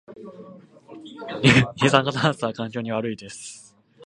二酸化炭素は環境に悪いです